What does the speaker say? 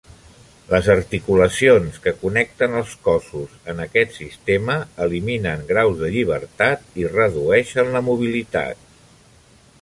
Les articulacions que connecten els cossos en aquest sistema eliminen graus de llibertat i redueixen la mobilitat.